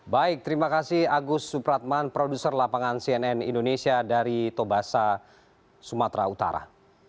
baik terima kasih agus supratman produser lapangan cnn indonesia dari tobasa sumatera utara